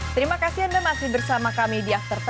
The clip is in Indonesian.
terima kasih anda masih bersama kami di after sepuluh